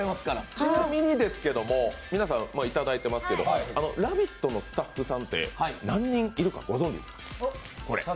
ちなみに皆さんいただいてますけど「ラヴィット！」のスタッフさんって何人いるかご存じですか？